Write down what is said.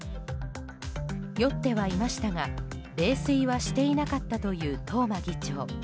酔ってはいましたが泥酔はしていなかったという東間議長。